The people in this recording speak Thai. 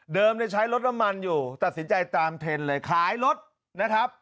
ใช้รถน้ำมันอยู่ตัดสินใจตามเทรนด์เลยขายรถนะครับ